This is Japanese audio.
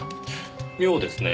妙ですねぇ。